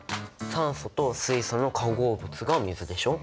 酸素と水素の化合物が水でしょ。